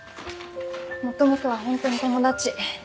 もともとはホントに友達。